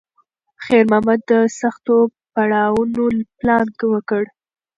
خیر محمد د سختو پړاوونو پلان وکړ.